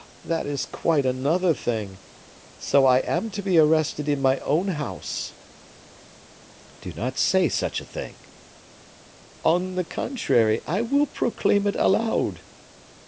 that is quite another thing! So I am to be arrested in my own house." "Do not say such a thing." "On the contrary, I will proclaim it aloud."